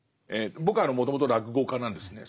僕はもともと落語家なんですね。